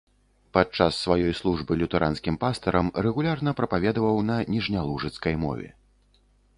Падчас сваёй службы лютэранскім пастарам рэгулярна прапаведаваў на ніжнялужыцкай мове.